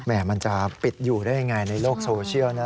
มันจะปิดอยู่ได้ยังไงในโลกโซเชียลนะ